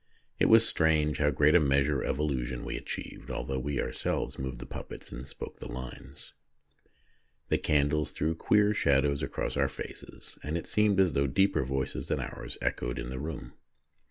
It was strange how great a measure of illusion we achieved, although we ourselves moved the puppets and spoke their lines. The candles threw queer shadows across our faces, and it seemed as though deeper voices than ours echoed in the room.